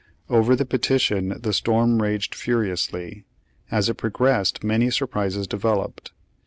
Over the petition the storm raged furiously. As it progressed many surprises developed.